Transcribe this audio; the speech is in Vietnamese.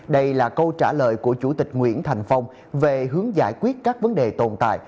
đây là câu trả lời của chủ tịch nguyễn thành phong về hướng giải quyết các vấn đề tồn tại